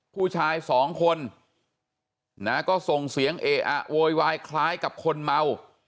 ผู้ชายสองคนนะก็ส่งเสียงเออะโวยวายคล้ายกับคนเมา